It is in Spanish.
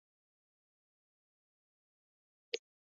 La ceremonia se centró en transmitir un mensaje de paz.